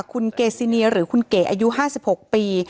คุณเกย์ซีเนียร์หรือคุณเกย์อายุ๕๖ปี